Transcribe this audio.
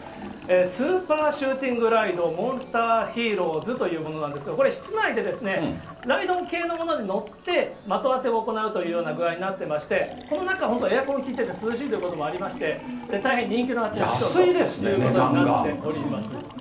スーパーシューティングライド、モンスター×ヒーローズというものなんですが、これ室内で、ライド系のものに乗って、的当てを行うという具合になってまして、この中、本当、エアコン効いてて涼しいということもありまして、大変人気のアトラクションになっております。